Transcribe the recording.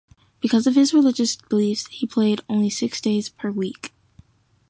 Because of his religious beliefs, he played only six days per week.